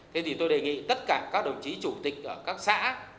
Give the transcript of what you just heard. thế thì tôi đề nghị tất cả các đồng chí chủ tịch ở các xã